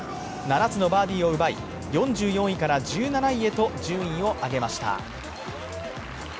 ７つのバーディーを奪い４４位から１７位へと順位を上げました。